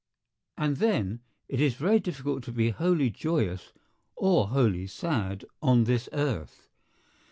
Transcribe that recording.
And then—it is very difficult to be wholly joyous or wholly sad on this earth.